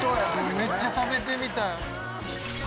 めっちゃ食べてみたい。